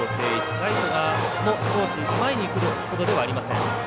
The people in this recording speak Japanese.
ライトも少し前に来るほどではありません。